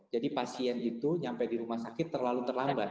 jadi pasien itu sampai di rumah sakit terlalu terlambat